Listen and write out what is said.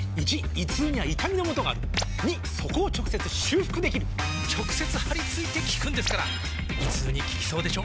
①胃痛には痛みのもとがある②そこを直接修復できる直接貼り付いて効くんですから胃痛に効きそうでしょ？